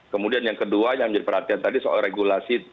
kemudian yang kedua yang menjadi perhatian tadi soal regulasi